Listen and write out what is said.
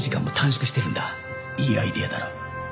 いいアイデアだろ。